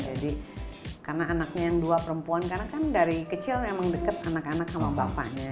jadi karena anaknya yang dua perempuan karena kan dari kecil emang deket anak anak sama bapaknya